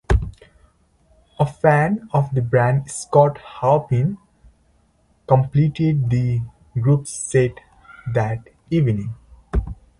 A fan of the band, Scot Halpin, completed the group's set that evening.